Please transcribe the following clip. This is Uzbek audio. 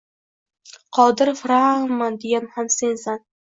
“Qodir Firʼavnman!” degan ham sensan